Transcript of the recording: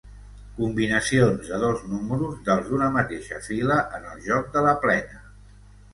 Combinacions de dos números dels d'una mateixa fila en el joc de la plena.